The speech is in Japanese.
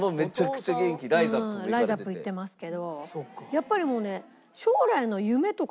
やっぱりもうね。